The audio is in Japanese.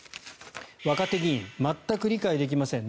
若手議員、全く理解できません。